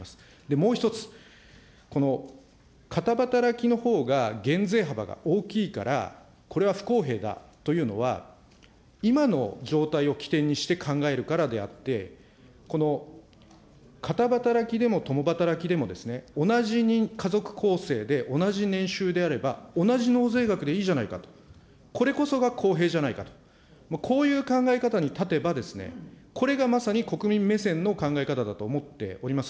もう一つ、この片働きのほうが減税幅が大きいからこれは不公平だというのは、今の状態を起点にして考えるからであって、この片働きでも共働きでもですね、同じ家族構成で同じ年収であれば、同じ納税額でいいじゃないかと、これこそが公平じゃないかと、こういう考え方に立てばですね、これがまさに国民目線の考え方だと思っております。